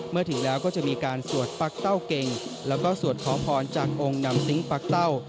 เมื่อถึงแล้วก็จะมีการสวดปักเต้าเก่งแล้วก็สวดขอพรจากองค์นำซิงค์ปักเต้า